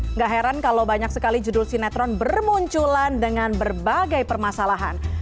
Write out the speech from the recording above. nggak heran kalau banyak sekali judul sinetron bermunculan dengan berbagai permasalahan